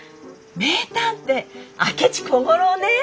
名探偵明智小五郎ね！